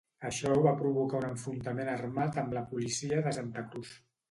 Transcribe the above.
Això va provocar un enfrontament armat amb la policia de Santa Cruz.